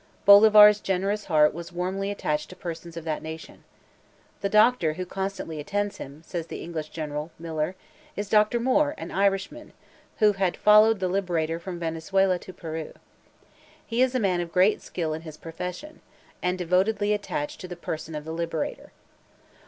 Bolivar's generous heart was warmly attached to persons of that nation. "The doctor who constantly attends him," says the English General, Miller, "is Dr. Moore, an Irishman, who had followed the Liberator from Venezuela to Peru. He is a man of great skill in his profession, and devotedly attached to the person of the Liberator.